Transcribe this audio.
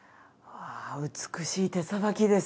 わあ美しい手さばきです。